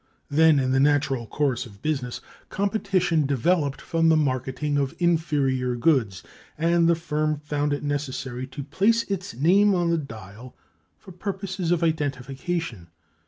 Then, in the natural course of business, competition developed from the marketing of inferior goods, and the firm found it necessary to place its name on the dial for purposes of identification.